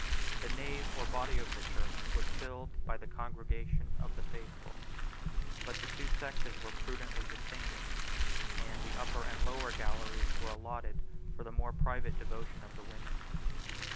The nave or body of the church was filled by the congregation of the faithful; but the two sexes were prudently distinguished, and the upper and lower galleries were allotted for the more private devotion of the women.